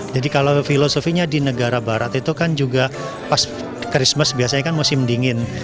jadi kalau filosofinya di negara barat itu kan juga pas christmas biasanya kan musim dingin